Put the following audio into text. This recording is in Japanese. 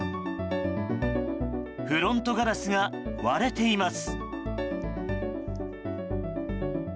フロントガラスが割れています。